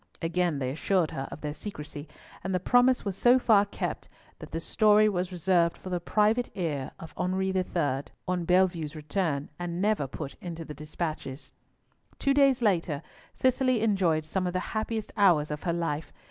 Again they assured her of their secrecy, and the promise was so far kept that the story was reserved for the private ear of Henri III. on Bellievre's return, and never put into the despatches. Two days later, Cicely enjoyed some of the happiest hours of her life.